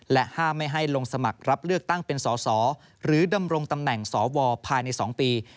ห้ามไม่ให้ลงสมัครรับเลือกตั้งเป็นสอสอหรือดำรงตำแหน่งสวภายใน๒ปี